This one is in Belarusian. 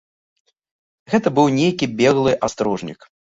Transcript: Гэта быў нейкі беглы астрожнік.